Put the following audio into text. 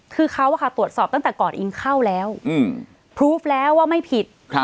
คือเขาตรวจสอบตั้งแต่ก่อนอิงเข้าแล้วพลูฟแล้วว่าไม่ผิด